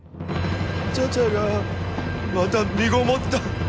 茶々がまたみごもった！